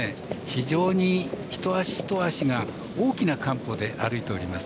非常に一足一足が大きな完歩で歩いております。